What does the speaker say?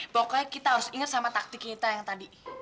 pokoknya kita harus ingat sama taktik kita yang tadi